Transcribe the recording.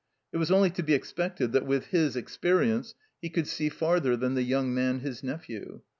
It was only to be expected that with his experience he could see farther than the young man, his nephew.